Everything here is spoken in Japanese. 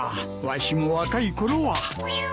わしも若い頃は。